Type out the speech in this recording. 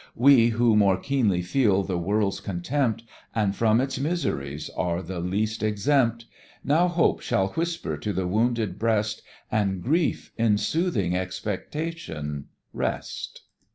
We who more keenly feel the world's contempt, And from its miseries are the least exempt; Now Hope shall whisper to the wounded breast And Grief, in soothing expectation, rest.